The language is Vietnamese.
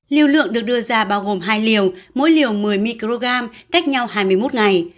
liều lượng được đưa ra bao gồm hai liều mỗi liều một mươi microgram cách nhau hai mươi một ngày